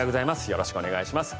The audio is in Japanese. よろしくお願いします。